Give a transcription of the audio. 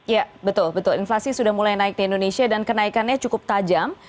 ya betul betul inflasi sudah mulai naik di indonesia dan kenaikannya cukup tajam